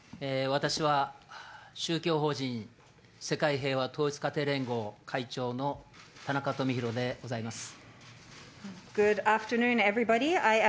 私は宗教法人世界平和統一家庭連合会長の田中富広でございます。